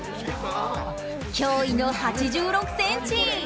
驚異の８６ｃｍ。